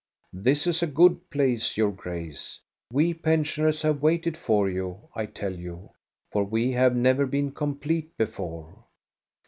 This is a good place, your Grace ! We pensioners have waited for you, I tell you, for we have never been complete before.